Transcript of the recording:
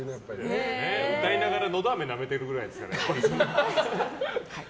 歌いながら、のどあめなめてるぐらいですからね。